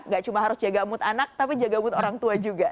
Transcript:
gak cuma harus jaga mood anak tapi jaga mood orang tua juga